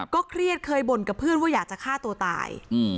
เครียดเคยบ่นกับเพื่อนว่าอยากจะฆ่าตัวตาย